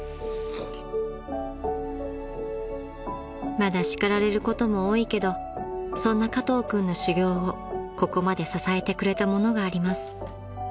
［まだ叱られることも多いけどそんな加藤君の修業をここまで支えてくれたものがあります］